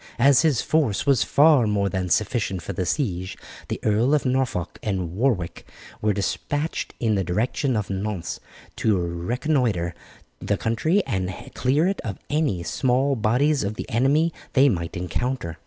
As his force was far more than sufficient for the siege, the Earls of Norfolk and Warwick were despatched in the direction of Nantes to reconnoitre the country and clear it of any small bodies of the enemy they might encounter.